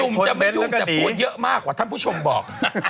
จะไม่ยุ่งแต่พูดเยอะมากกว่าท่านผู้ชมบอก